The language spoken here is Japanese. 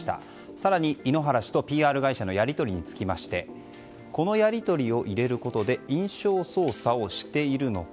更に、井ノ原氏とＰＲ会社のやり取りについてこのやり取りを入れることで印象操作をしているのか。